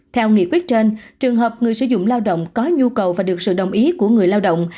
theo nghị quyết trên trường hợp người sử dụng lao động có nhu cầu và được sự đồng ý của người lao động